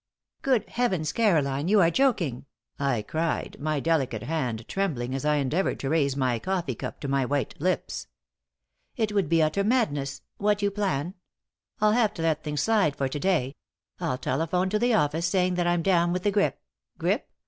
"Good heavens, Caroline, you are joking!" I cried, my delicate hand trembling as I endeavored to raise my coffee cup to my white lips. "It would be utter madness what you plan! I'll have to let things slide for to day. I'll telephone to the office saying that I'm down with the grip. Grip?